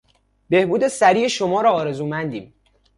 بهبود سریع شما را آرزومندیم.